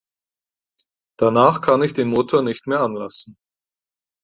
Danach kann ich den Motor nicht mehr anlassen.